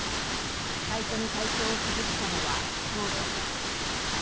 最初に体調を崩したのは長女。